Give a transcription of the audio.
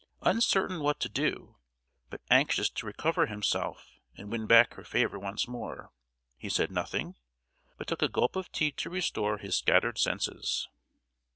Uncertain what to do, but anxious to recover himself and win back her favour once more, he said nothing, but took a gulp of tea to restore his scattered senses.